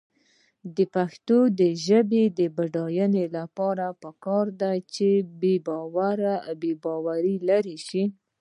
د پښتو ژبې د بډاینې لپاره پکار ده چې بېباوري لرې شي.